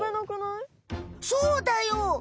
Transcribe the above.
そうだよ！